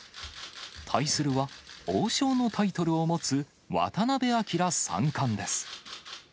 対するは、王将のタイトルを持つ渡辺明三冠です。